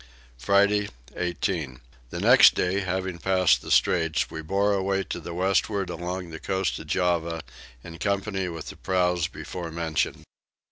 Friday 18. The next day, having passed the straits, we bore away to the westward along the coast of Java in company with the prows before mentioned.